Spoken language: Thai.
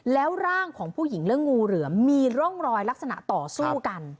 แล้วร่างของผู้หญิงและงูเหลือมมีร่องรอยลักษณะต่อสู้กัน